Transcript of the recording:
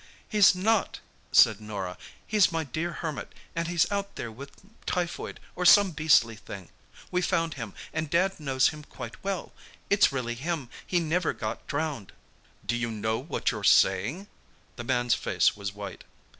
"He's not," said Norah, "He's my dear Hermit, and he's out there with typhoid, or some beastly thing. We found him—and Dad knows him quite well. It's really him. He never got drowned." "Do you know what you're saying?" The man's face was white.